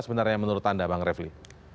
sebenarnya menurut anda bang refli